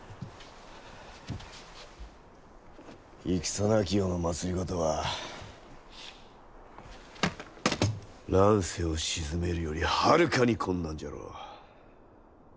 戦なき世の政は乱世を鎮めるよりはるかに困難じゃろう。